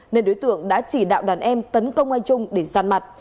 nên đối tượng đã chỉ đạo đàn em tấn công anh trung để san mặt